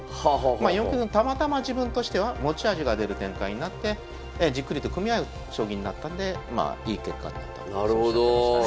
まあたまたま自分としては持ち味が出る展開になってじっくりと組み合う将棋になったんでいい結果になったとそうおっしゃってましたね。